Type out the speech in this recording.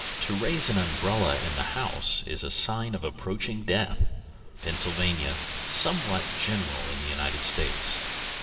To raise an umbrella in a house is a sign of an approaching death. _Pennsylvania; somewhat general in the United States.